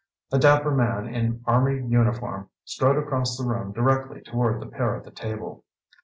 A dapper man in army uniform strode across the room directly toward the pair at the table.